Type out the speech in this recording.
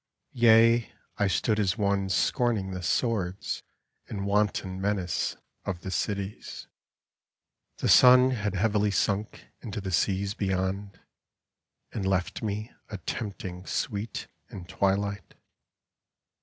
Yea, I stood as one scorning the swords And wanton menace of the cities. upon the Heights 6 1 Tlie sun had heavily sunk into the seas beyond, And left me a tempting sweet and twilight.